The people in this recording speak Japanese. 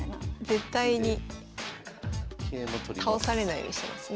絶対に倒されないようにしてますね。